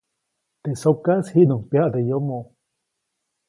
Teʼ sokaʼis jiʼnuŋ pyaʼde yomoʼ.